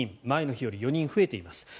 前の日より４人増えています。